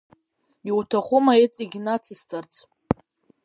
Иуҭахума иҵегь нацысҵарц?